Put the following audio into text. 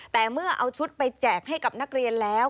แต่เมื่อเอาชุดไปแจกให้กับนักเรียนแล้ว